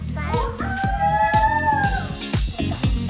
พี่วุฒิ